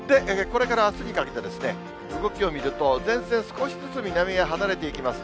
これからあすにかけて、動きを見ると、前線、少しずつ南へ離れていきます。